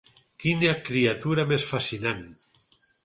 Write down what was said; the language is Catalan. Quina criatura més fascinant!